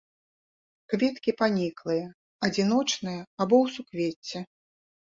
Кветкі паніклыя, адзіночныя або ў суквецці.